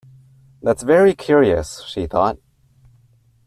‘That’s very curious!’ she thought.